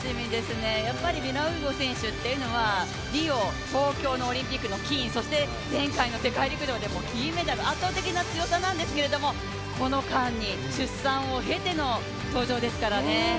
やっぱりミラーウイボ選手というのはリオ、東京オリンピックでの金前回の世界陸上でも銀メダル、圧倒的な強さなんですけれども、この間に出産を経ての登場ですからね。